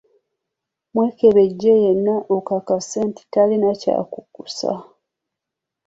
Bamwekebejja yenna okukakasa nti talina kyakukusa.